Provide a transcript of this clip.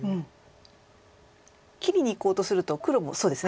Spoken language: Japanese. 切りにいこうとすると黒もそうですね